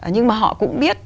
nhưng mà họ cũng biết